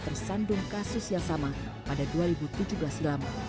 tersandung kasus yang sama pada dua ribu tujuh belas silam